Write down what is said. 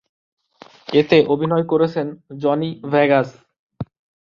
এতে অভিনয় করেছেন জনি ভেগাস।